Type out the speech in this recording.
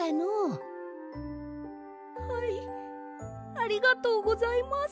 ありがとうございます。